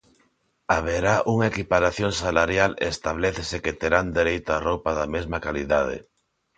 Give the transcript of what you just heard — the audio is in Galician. Haberá unha equiparación salarial e establécese que terán dereito a roupa da mesma calidade.